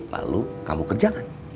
lalu kamu kerjakan